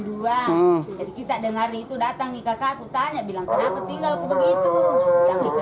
jadi kita dengar itu datang kakakku tanya bilang kenapa tinggal begitu